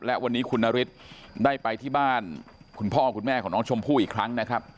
และวันนี้คุณนฤทธิ์ได้ไปที่บ้านคุณพ่อคุณแม่ของน้องชมพู่อีกครั้งนะครับ